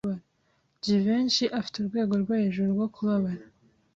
Jivency afite urwego rwo hejuru rwo kubabara